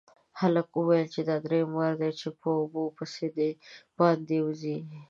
هلک وويل چې دا دريم وار دی چې په اوبو پسې د باندې وځي.